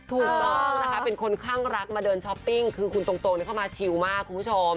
ถูกต้องนะคะเป็นคนข้างรักมาเดินช้อปปิ้งคือคุณตรงเข้ามาชิลมากคุณผู้ชม